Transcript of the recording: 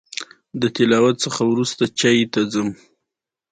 نفت د افغانانو لپاره په معنوي لحاظ ارزښت لري.